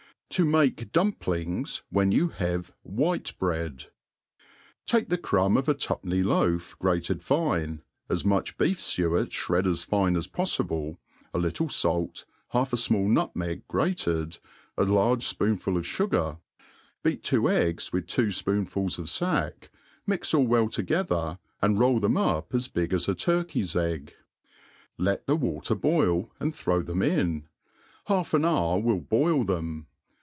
To make DumpKngs when you have Tf^ite BnadM Take the crumb of a two*penny loaf grated fine, as much beef fuet (hred as fine as poffible, a little fait, half a fmall nut tneg grated, a large fpoonful of fugar, beat two eggs with two fpoonfuls of faCk| mix all well together, and loll them up as big as a turkey's egg. Let the waier boi), and throw them in« Half an hour will boil them.